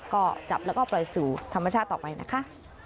ก็จับแล้วก็ปล่อยสู่ธรรมชาติต่อไปนะคะ